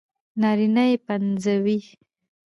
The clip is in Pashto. نارينه يې پنځوي